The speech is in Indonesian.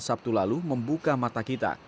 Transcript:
sabtu lalu membuka mata kita